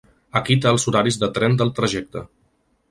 Aquí té els horaris de tren del trajecte